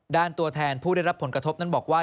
ตัวแทนผู้ได้รับผลกระทบนั้นบอกว่า